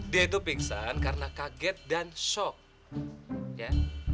dia itu pingsan karena kaget dan shock